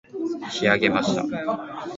仕上げました